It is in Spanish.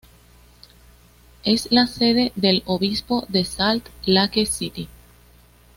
Es la sede del obispo de Salt Lake City.